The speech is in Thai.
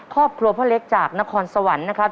ครอบครัวพ่อเล็กจากนครสวรรค์นะครับ